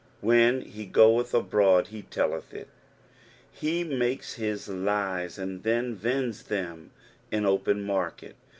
"When he goeth abroad, he teUeth it." He makes bis lies, and then vends them in open market.